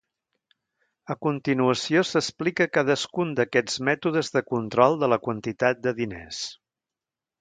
A continuació s'explica cadascun d'aquests mètodes de control de la quantitat de diners.